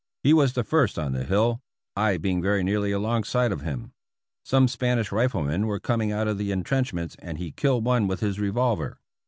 He was the first on the hill, I being very nearly alongside of him. Some Spanish riflemen were coming out of the intrenchments and he killed one with his revolver.